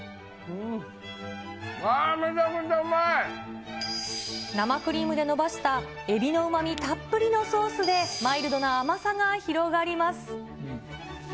うわー、生クリームで伸ばしたエビのうまみたっぷりのソースで、マイルドな甘さが広がります。